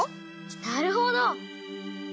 なるほど！